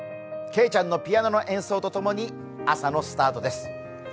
けいちゃんのピアノの演奏とともに朝のスタートです。